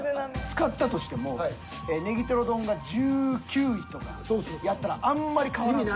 使ったとしてもねぎとろ丼が１９位とかやったらあんまり変わらんもん。